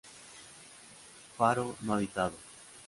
Faro no habitado.